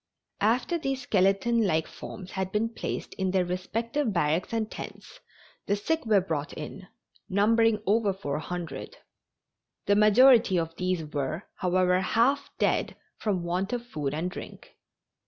After these skeleton like forms had been placed in their respective barracks and tents the sick were brought in, numbering over 400. The majority of these were, however, half dead from want of food and drink.